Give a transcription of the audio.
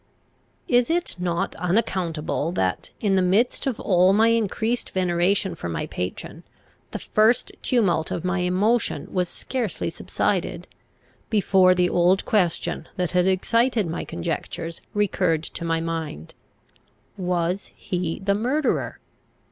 Is it not unaccountable that, in the midst of all my increased veneration for my patron, the first tumult of my emotion was scarcely subsided, before the old question that had excited my conjectures recurred to my mind, Was he the murderer?